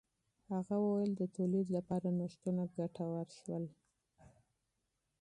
هغه وویل د تولید لپاره نوښتونه ګټور شول.